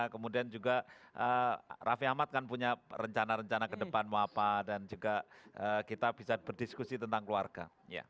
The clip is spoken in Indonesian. kemudian juga raffi ahmad kan punya rencana rencana ke depan mau apa dan juga kita bisa berdiskusi tentang keluarga